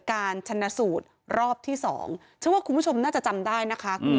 การชนะสูตรรอบที่๒เชื่อว่าคุณผู้ชมน่าจะจำได้นะคะ